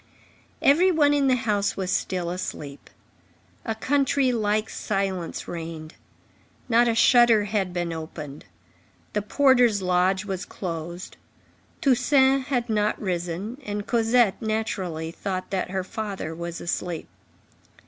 Every one in the house was still asleep. A country like silence reigned. Not a shutter had been opened. The porter's lodge was closed. Toussaint had not risen, and Cosette, naturally, thought that her father was asleep.